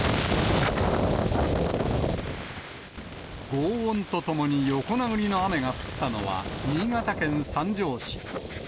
ごう音とともに横殴りの雨が降ったのは新潟県三条市。